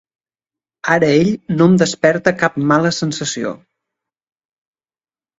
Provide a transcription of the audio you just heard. Ara ell no em desperta cap mala sensació.